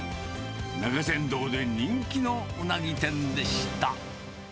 中山道で人気のウナギ店でした。